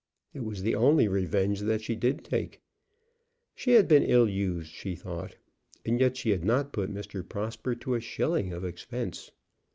It was the only revenge that she did take. She had been ill used, she thought, and yet she had not put Mr. Prosper to a shilling of expense.